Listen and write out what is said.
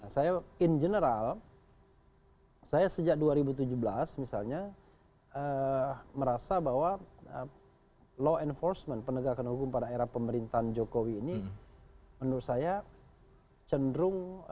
saya in general saya sejak dua ribu tujuh belas misalnya merasa bahwa law enforcement penegakan hukum pada era pemerintahan jokowi ini menurut saya cenderung